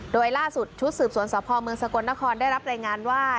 โดยล่าสุดชุดสืบสวนสพเมืองสกลนครได้รับรายงานว่า